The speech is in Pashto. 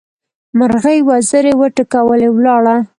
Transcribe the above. مرغۍ وزرې وټکولې؛ ولاړه.